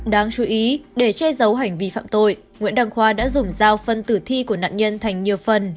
đáng chú ý để che giấu hành vi phạm tội nguyễn đăng khoa đã dùng dao phân tử thi của nạn nhân thành nhiều phần